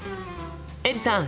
エリさん！